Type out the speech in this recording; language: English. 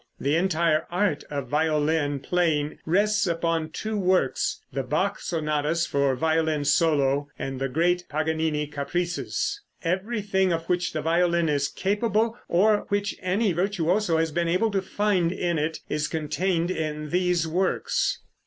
The entire art of violin playing rests upon two works the Bach sonatas for violin solo, and the great Paganini caprices. Everything of which the violin is capable, or which any virtuoso has been able to find in it, is contained in these works.